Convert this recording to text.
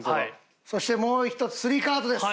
そしてもう１つ３カードです。